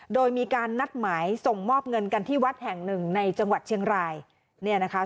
โดยมีการนัดหมายส่งมอบเงินกันที่วัดแห่งหนึ่งในจังหวัดเชียงรายเนี่ยนะคะ